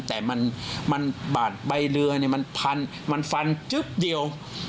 แต่มันบาดใบเรือมันพันมันฟันจึ๊บเดียว